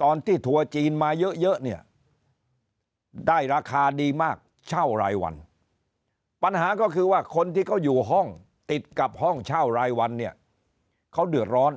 ทัวร์จีนมาเยอะเนี่ยได้ราคาดีมากเช่ารายวันปัญหาก็คือว่าคนที่เขาอยู่ห้องติดกับห้องเช่ารายวันเนี่ยเขาเดือดร้อน